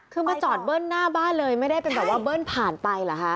คือมาจอดเบิ้ลหน้าบ้านเลยไม่ได้เป็นแบบว่าเบิ้ลผ่านไปเหรอคะ